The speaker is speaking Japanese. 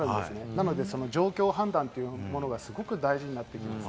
なので、その状況判断というものがすごく大事になってきます。